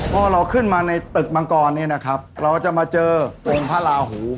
พอเราขึ้นมาในตึกมังกรเนี่ยนะครับเราจะมาเจอองค์พระราหู